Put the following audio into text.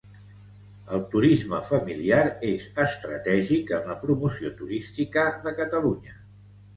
El turisme familiar és estratègic en la promoció turística de Catalunya.